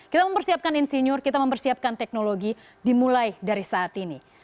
kita mempersiapkan insinyur kita mempersiapkan teknologi dimulai dari saat ini